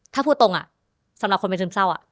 ถ้าพูดตรงอ่ะสำหรับคนเป็นทีมเศร้าอ่ะ